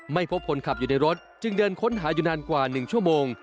พบคนขับอยู่ในรถจึงเดินค้นหาอยู่นานกว่า๑ชั่วโมง